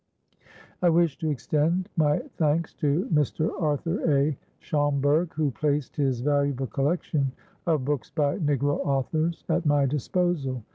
I wish to extend my thanks to Mr. Arthur A. Schomburg, who placed his valuable collection of books by Negro authors at my disposal.